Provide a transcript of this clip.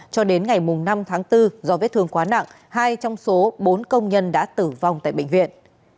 cho đến ngày năm tháng bốn do vết thương quá nặng hai trong số bốn công nhân đã tử vong tại bệnh viện